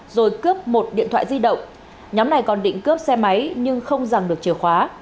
rồi cướp một điện thoại di động nhóm này còn định cướp xe máy nhưng không rằng được chìa khóa